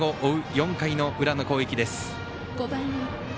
４回の裏の攻撃です。